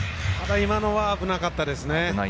今のは危なかったですね。